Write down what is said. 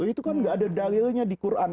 itu kan gak ada dalilnya di quran